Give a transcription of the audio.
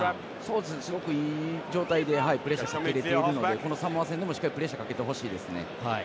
すごくいい状態でプレッシャーをかけているのでこのサモア戦でもしっかりプレッシャーかけてほしいですね。